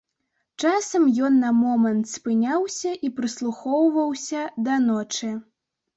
Часам ён на момант спыняўся і прыслухоўваўся да ночы.